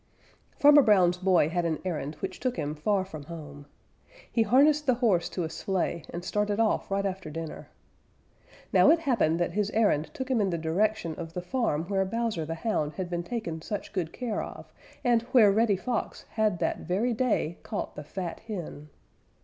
_ Farmer Brown's boy had an errand which took him far from home. He harnessed the horse to a sleigh and started off right after dinner. Now it happened that his errand took him in the direction of the farm where Bowser the Hound had been taken such good care of, and where Reddy Fox had that very day caught the fat hen.